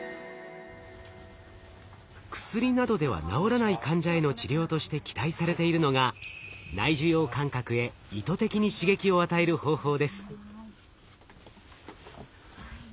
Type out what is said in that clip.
薬などでは治らない患者への治療として期待されているのが内受容感覚へ意図的に刺激を与える方法です。